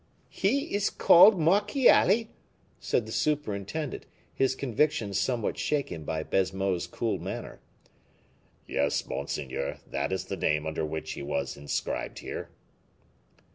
"He is called Marchiali?" said the superintendent, his conviction somewhat shaken by Baisemeaux's cool manner. "Yes, monseigneur; that is the name under which he was inscribed here."